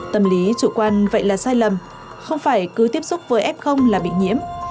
tâm lý chủ quan vậy là sai lầm không phải cứ tiếp xúc với f là bị nhiễm